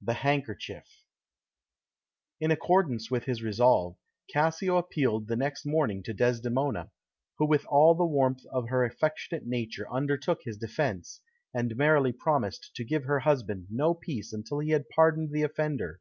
The Handkerchief In accordance with his resolve, Cassio appealed the next morning to Desdemona, who with all the warmth of her affectionate nature undertook his defence, and merrily promised to give her husband no peace until he had pardoned the offender.